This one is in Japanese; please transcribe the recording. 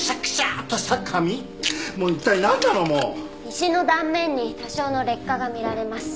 石の断面に多少の劣化が見られます。